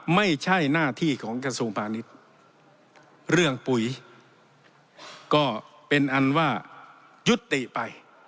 ไม่ใช่หน้าที่ของกระทรวงพาณิชย์เรื่องปุ๋ยก็เป็นอันว่ายุติไป